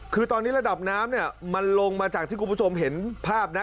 คือตอนนี้ระดับน้ำเนี่ยมันลงมาจากที่คุณผู้ชมเห็นภาพนะ